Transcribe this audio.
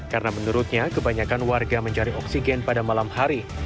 karena menurutnya kebanyakan warga mencari oksigen pada malam hari